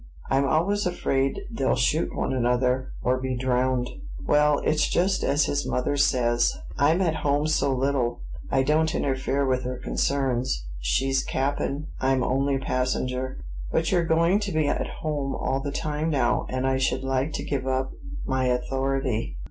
I'm always afraid they'll shoot one another, or be drowned." "Well, it's just as his mother says; I'm at home so little, I don't interfere with her concerns; she's cap'n; I'm only passenger." "But you're going to be at home all the time now; and I should like to give up my authority."